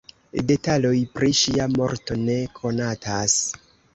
Detaloj pri ŝia morto ne konatas.